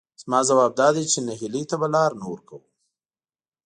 زما ځواب دادی چې نهیلۍ ته به لار نه ورکوو،